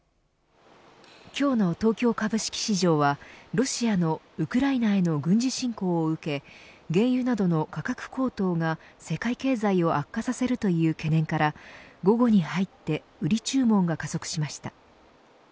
今日の東京株式市場はロシアのウクライナへの軍事侵攻を受け原油などの価格高騰が世界経済を悪化させるという懸念から午後に入って売り注文が加速しました。